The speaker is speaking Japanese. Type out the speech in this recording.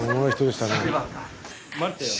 待ってよ。